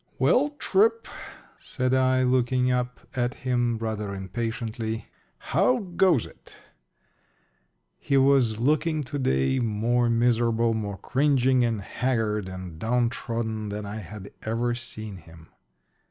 "Well, Tripp," said I, looking up at him rather impatiently, "how goes it?" He was looking to day more miserable, more cringing and haggard and downtrodden than I had ever seen him.